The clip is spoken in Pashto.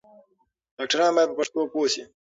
ډاکټران بايد په پښتو پوه شي.